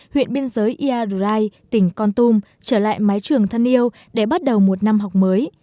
huyện biên giới ia rai tỉnh con tôm trở lại mái trường thân yêu để bắt đầu một năm học mới